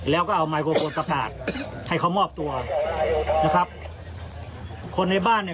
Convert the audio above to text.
แล้วก็เอาให้เขามอบตัวนะครับคนในบ้านเนี่ย